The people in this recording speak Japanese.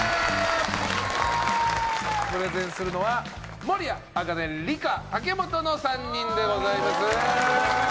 プレゼンするのは守屋茜梨加武元の３人でございます。